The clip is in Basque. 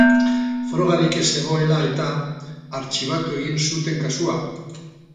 Frogarik ez zegoela eta, artxibatu egin zuten kasua.